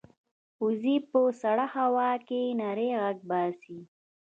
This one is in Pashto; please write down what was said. وزې په سړه هوا کې نری غږ باسي